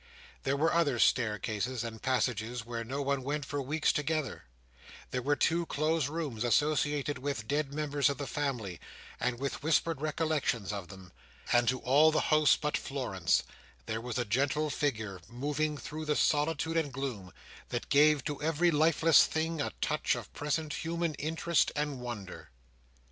There were other staircases and passages where no one went for weeks together; there were two closed rooms associated with dead members of the family, and with whispered recollections of them; and to all the house but Florence, there was a gentle figure moving through the solitude and gloom, that gave to every lifeless thing a touch of present human interest and wonder.